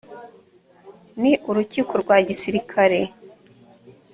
n urukiko rwa gisirikare